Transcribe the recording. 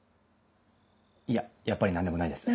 いややっぱり何でもないです。